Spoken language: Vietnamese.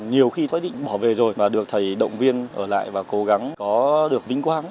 nhiều khi thói định bỏ về rồi mà được thầy động viên ở lại và cố gắng có được vinh quang